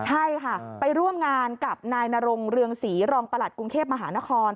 ใช่ค่ะไปร่วมงานกับนายนรงเรืองศรีรองประหลัดกรุงเทพมหานคร